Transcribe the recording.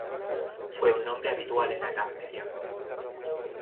Fue un nombre habitual en la edad media.